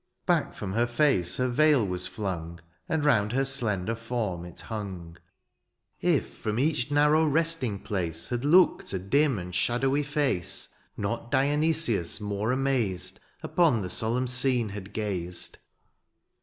Back from her face her veil was flung, And round her slender form it hung. If from each narrow resting place. Had looked a dim and shadowy face. Not Dionysius more amazed Upon the solemn scene had gazed.